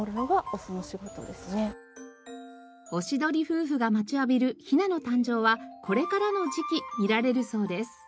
オシドリ夫婦が待ちわびるヒナの誕生はこれからの時期見られるそうです。